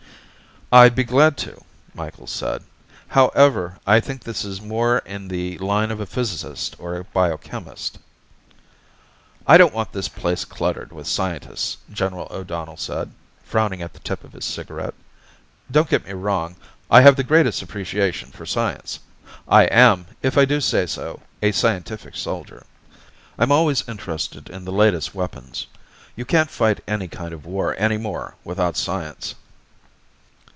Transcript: "I'd be glad to," Micheals said. "However, I think this is more in the line of a physicist or a biochemist." "I don't want this place cluttered with scientists," General O'Donnell said, frowning at the tip of his cigarette. "Don't get me wrong. I have the greatest appreciation for science. I am, if I do say so, a scientific soldier. I'm always interested in the latest weapons. You can't fight any kind of a war any more without science."